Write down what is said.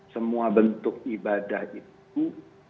semua bentuk ibadah itu